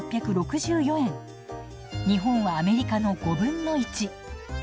日本はアメリカの５分の１。